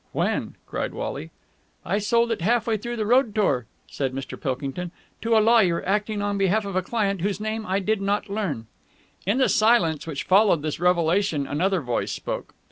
"When?" cried Wally. "I sold it half way through the road tour," said Mr. Pilkington, "to a lawyer, acting on behalf of a client whose name I did not learn." In the silence which followed this revelation, another voice spoke.